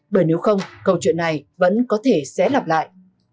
bởi nếu không câu chuyện này vẫn có thể xé lặp lại